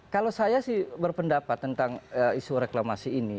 kalau saya sih berpendapat tentang isu reklamasi ini